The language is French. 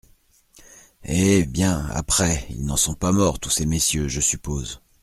Eh ! bien, après, ils n’en sont pas morts, tous ces messieurs, je suppose !